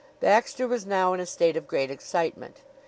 Baxter was now in a state of great excitement.